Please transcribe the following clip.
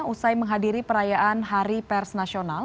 usai menghadiri perayaan hari pers nasional